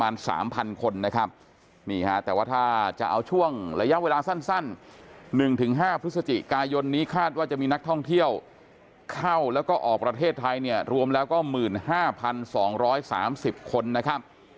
นักท่องเที่ยวเข้าแล้วก็ออกประเทศไทยเนี่ยรวมแล้วก็๑๕๒๓๐คนนะครับ